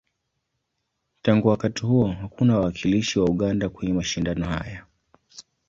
Tangu wakati huo, hakuna wawakilishi wa Uganda kwenye mashindano haya.